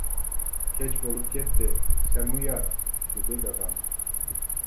-كەچ بولۇپ كەتتى، سەنمۇ يات-دېدى دادام.